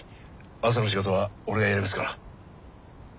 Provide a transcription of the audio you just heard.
朝の仕事は俺がやりますから。